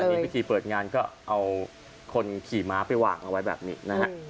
มีพิธีเปิดงานก็เอาคนขี่ม้าไปวางเอาไว้แบบนี้นะฮะ